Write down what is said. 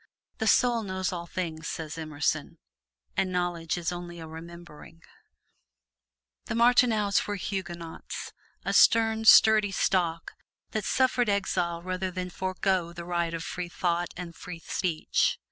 "The soul knows all things," says Emerson, "and knowledge is only a remembering." The Martineaus were Huguenots, a stern, sturdy stock that suffered exile rather than forego the right of free thought and free speech.